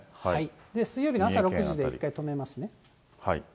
水曜日の朝６時で一回止めますね。